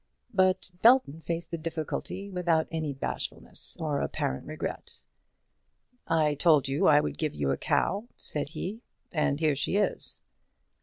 But Belton faced the difficulty without any bashfulness or apparent regret. "I told you I would give you a cow," said he, "and here she is."